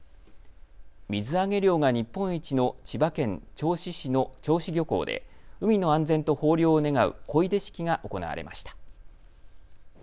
水揚げ量が日本一の千葉県銚子市の銚子漁港で海の安全と豊漁を願う漕出式が行われました。